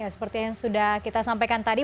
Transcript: seperti yang sudah kita sampaikan tadi